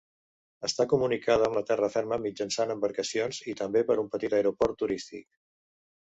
Està comunicada amb la terra ferma mitjançant embarcacions i també per un petit aeroport turístic.